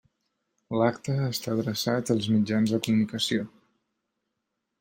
L'acte està adreçat als mitjans de comunicació.